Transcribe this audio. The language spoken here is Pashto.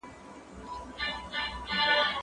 هغه څوک چي سبزیحات خوري قوي وي!؟